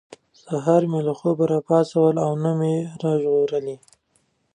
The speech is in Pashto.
سهار مې له خوبه را پاڅول او نه مې را ژغورلي.